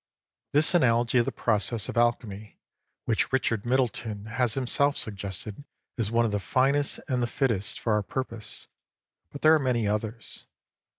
This analogy of the process of alchemy which Richard Middleton has himself suggested is one of the finest and the fittest for our purpose ; but there are many others.